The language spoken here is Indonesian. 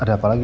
ada apa lagi